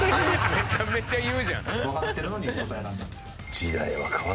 めちゃめちゃ言うじゃん！